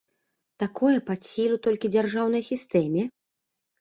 Такое пад сілу толькі дзяржаўнай сістэме?